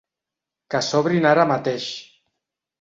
Que s'obrin ara mateix!